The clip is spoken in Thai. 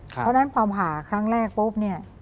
เพราะฉะนั้นความหาครั้งแรกปุ๊บ